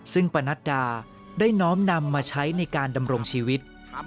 ซึ่งปนัดดาได้น้อมนำมาใช้ในการดำรงชีวิต